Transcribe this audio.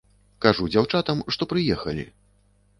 Кажу дзяўчатам, што прыехалі.